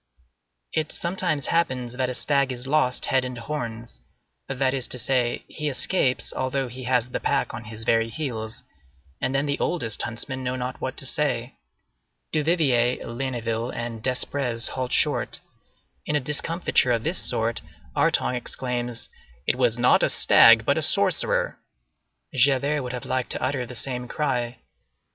It sometimes happens that a stag is lost head and horns; that is to say, he escapes although he has the pack on his very heels, and then the oldest huntsmen know not what to say. Duvivier, Ligniville, and Desprez halt short. In a discomfiture of this sort, Artonge exclaims, "It was not a stag, but a sorcerer." Javert would have liked to utter the same cry.